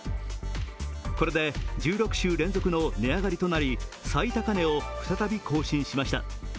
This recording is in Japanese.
これで１６週連続の値上がりとなり最高値を再び更新しました。